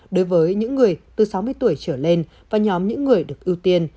đối với những người từ sáu mươi tuổi trở lên và nhóm những người được ưu tiên